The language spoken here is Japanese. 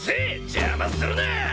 邪魔するな！